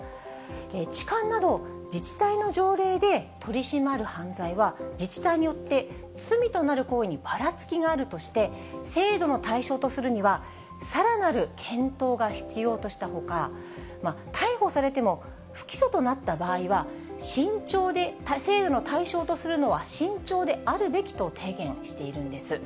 痴漢など、自治体の条例で取り締まる犯罪は、自治体によって、罪となる行為にばらつきがあるとして、制度の対象とするにはさらなる検討が必要としたほか、逮捕されても不起訴となった場合は慎重で、制度の対象とするのは慎重であるべきと提言しているんです。